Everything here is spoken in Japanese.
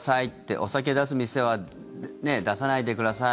お酒出す店は出さないでください。